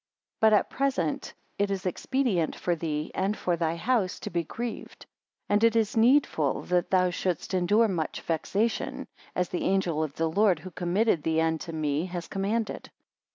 12 But at present it is expedient for thee, and for thy house, to be grieved; and it is needful that thou shouldst endure much vexation, as the angel of the Lord who committed thee unto me, has commanded.